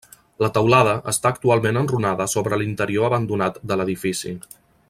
La teulada està actualment enrunada sobre l'interior abandonat de l'edifici.